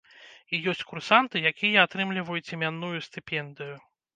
І ёсць курсанты, якія атрымліваюць імянную стыпендыю.